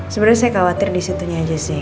sebenarnya saya khawatir di situnya aja sih